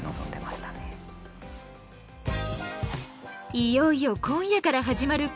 いよいよ今夜から始まる後半戦。